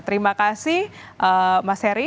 terima kasih mas heri